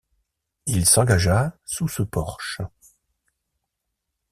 Il s’engagea sous ce porche.